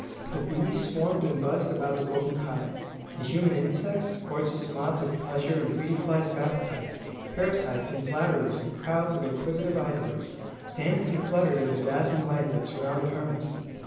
The bees swarmed and buzzed about the golden hive. The human insects, gorgeous moths of pleasure and greedy flies of appetite, parasites and flatterers and crowds of inquisitive idlers, danced and fluttered in the dazzling light that surrounded Hermas.